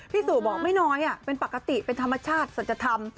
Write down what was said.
พี่สู่บอกไม่น้อยเป็นปกติเป็นธรรมชาติสัจธรรม